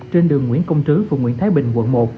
trên đường nguyễn công trứ phường nguyễn thái bình quận một